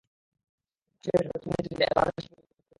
শেষ আকর্ষণ হিসেবে আইয়ুব বাচ্চুর নেতৃত্বে এলআরবির শিল্পীরা মঞ্চে ওঠেন।